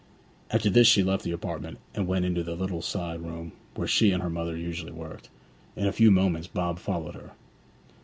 After this she left the apartment, and went into the little side room where she and her mother usually worked. In a few moments Bob followed her.